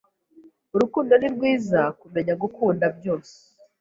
Urukundo ni rwiza, kumenya gukunda byose.